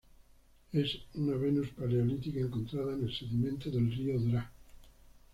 Es una venus paleolítica encontrada en el sedimento del río Draa.